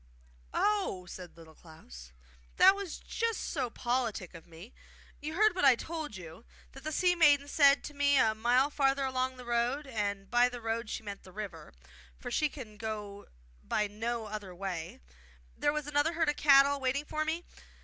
'Oh!' said Little Klaus, 'that was just so politic of me. You heard what I told you, that the sea maiden said to me a mile farther along the road and by the road she meant the river, for she can go by no other way there was another herd of cattle waiting for me.